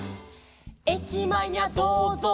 「えきまえにゃどうぞう」